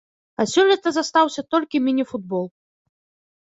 А сёлета застаўся толькі міні-футбол.